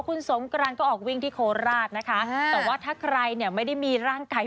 คุณสงกรานก็ออกวิ่งที่โคราชนะคะแต่ว่าถ้าใครเนี่ยไม่ได้มีร่างกาย